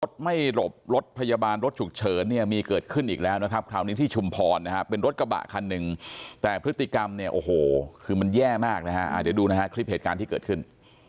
รถไม่หลบรถพยาบาลรถฉุกเฉินเนี่ยมีเกิดขึ้นอีกแล้วนะครับคราวนี้ที่ชุมพรนะฮะเป็นรถกระบะคันหนึ่งแต่พฤติกรรมเนี่ยโอ้โหคือมันแย่มากนะฮะเดี๋ยวดูนะฮะคลิปเหตุการณ์ที่เกิดขึ้น